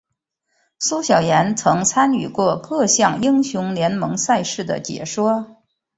苏小妍曾参与过各项英雄联盟赛事的解说。